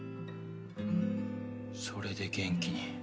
それで元気に。